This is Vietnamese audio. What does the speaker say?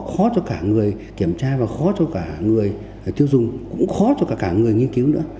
khó cho cả người kiểm tra và khó cho cả người tiêu dùng cũng khó cho cả người nghiên cứu nữa